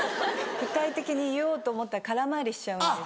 具体的に言おうと思ったら空回りしちゃうんです。